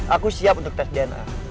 aku siap untuk tes dna